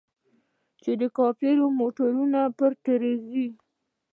چې د کفارو موټران پر تېرېږي.